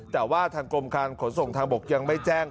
แต่ว่าทางกรมการขนส่งทางบกยังไม่แจ้ง